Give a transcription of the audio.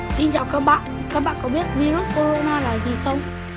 xin chào các bạn các bạn có biết virus corona là gì không